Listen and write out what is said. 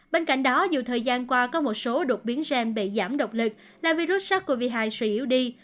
bên cạnh đó dù thời gian qua có một số đột biến gen bị giảm độc lực là virus sars cov hai suy yếu đi